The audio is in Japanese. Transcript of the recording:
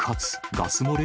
ガス漏れ？